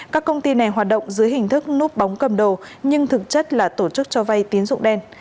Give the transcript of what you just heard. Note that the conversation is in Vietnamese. các công ty này hoạt động dưới hình thức núp bóng cầm đồ nhưng thực chất là tổ chức cho vay tín dụng đen